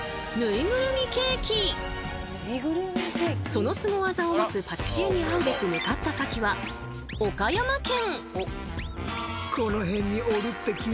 そのスゴ技を持つパティシエに会うべく向かった先は岡山県。